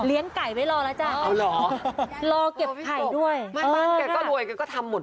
เลี้ยงไก่ไปรอแล้วจ้ะเอาเหรอรอเก็บไข่ด้วยเออแต่ก็รวยกันก็ทำหมด